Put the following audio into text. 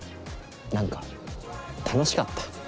何か楽しかった。